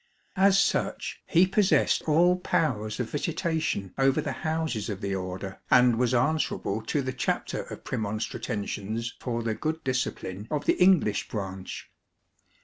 As such he possessed all powers of visitation over the houses of the Order, and was answerable to the Chapter of Premonstratensians for the good discipline of the English branch.